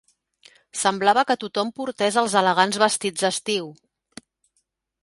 Semblava que tothom portés els elegants vestits d'estiu